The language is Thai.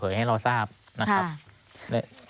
ให้เราทราบนะครับ